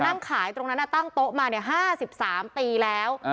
นั่งขายตรงนั้นตั้งโต๊ะมา๕๓ปีแล้ว